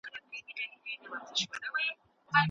دا نن يې لا سور ټپ دی د امير پر مخ ګنډلی